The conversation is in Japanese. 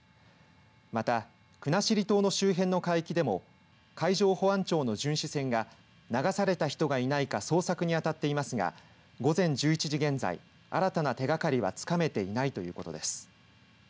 また、国後島の周辺の海域でも海上保安庁の巡視船が流された人がいないか捜索にあたっていますが午前１１時現在、新たな手がかりはつかめていないということです。